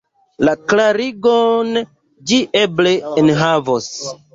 La klarigon ĝi eble enhavos.